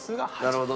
なるほど。